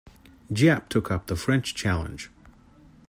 Giap took up the French challenge.